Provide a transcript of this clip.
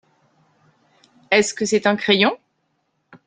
Est-ce que c’est un crayon ?